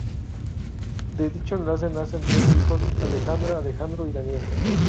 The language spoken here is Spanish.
De dicho enlace nacen tres hijos: Alejandra, Alejandro y Daniel.